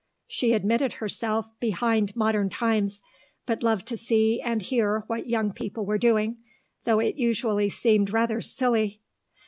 She admitted herself behind modern times, but loved to see and hear what young people were doing, though it usually seemed rather silly.